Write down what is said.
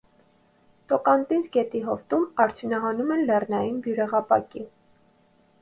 Տոկանտինս գետի հովտում արդյունահանում են լեռնային բյուրեղապակի։